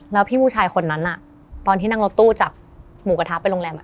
แล้วพี่ผู้ชายคนนั้นตอนที่นั่งรถตู้จากหมูกระทะไปโรงแรม